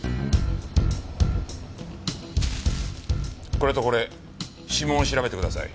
これとこれ指紋を調べてください。